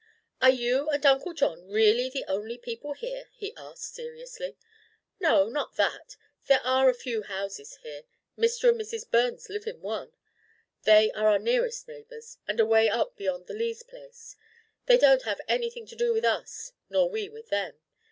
"Are you and Uncle John really the only people here?" he asked, seriously. "No, not that. There are a few houses here. Mr. and Mrs. Burns live in one they are our nearest neighbours and away up beyond is Lee's place. They don't have anything to do with us, nor we with them.